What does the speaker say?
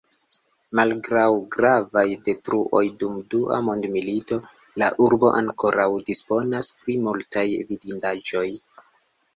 Malgraŭ gravaj detruoj dum Dua Mondmilito la urbo ankoraŭ disponas pri multaj vidindaĵoj.